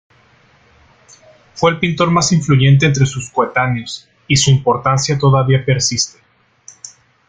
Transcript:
Fue el pintor más influyente entre sus coetáneos, y su importancia todavía persiste.